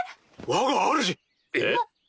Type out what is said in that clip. わがあるじ！え？